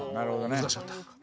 難しかった。